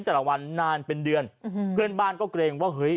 แต่ละวันนานเป็นเดือนอืมเพื่อนบ้านก็เกรงว่าเฮ้ย